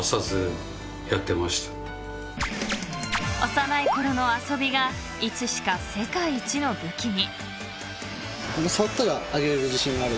［幼い頃の遊びがいつしか世界一の武器に］